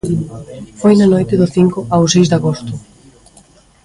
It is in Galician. Foi na noite do cinco ao seis de agosto.